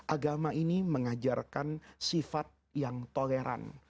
agama ini mengajarkan sifat yang toleran